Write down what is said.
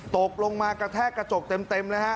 ตกลงมากระแทกกระจกเต็มเลยฮะ